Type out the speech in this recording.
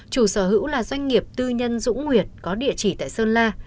chủ sở hữu là doanh nghiệp tư nhân dũng nguyệt có địa chỉ tại sơn la